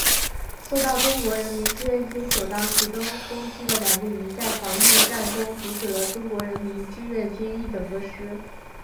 受到中国人民志愿军首当其冲攻击的两个营在防御战中阻止了中国人民志愿军一整个师。